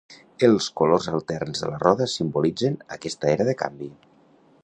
Els colors alterns de la roda simbolitzen aquesta era de canvi.